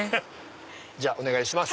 じゃあお願いします。